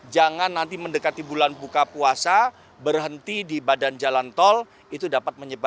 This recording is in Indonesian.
jangan nanti mendekati bulan buka puasa berhenti di badan jalan tol itu dapat menyebabkan